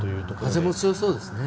風も強そうですね。